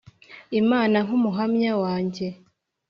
imana nkumuhamya wanjye.